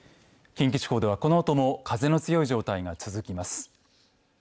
近畿地方では、このあとも風の強い状態が続きます。